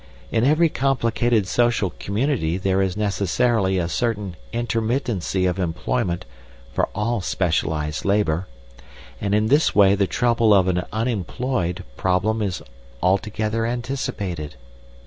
In every complicated social community there is necessarily a certain intermittency of employment for all specialised labour, and in this way the trouble of an 'unemployed' problem is altogether anticipated.